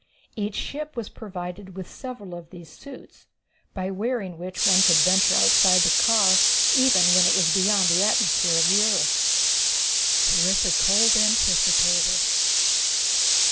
Each ship was provided with several of these suits, by wearing which one could venture outside the car even when it was beyond the atmosphere of the earth. Terrific Cold Anticipated.